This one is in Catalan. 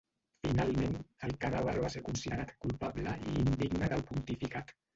Finalment, el cadàver va ser considerat culpable i indigne del pontificat.